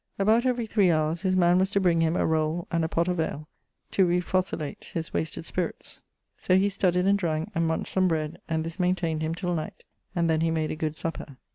About every 3 houres his man was to bring him a roll and a pott of ale[LXIV.] to refocillate his wasted spirits. So he studied and dranke, and munched some bread: and this maintained him till night; and then he made a good supper.